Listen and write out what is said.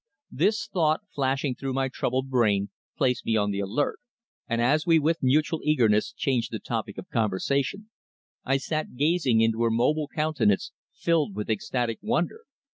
This thought flashing through my troubled brain placed me on the alert, and as we with mutual eagerness changed the topic of conversation, I sat gazing into her mobile countenance, filled with ecstatic wonder.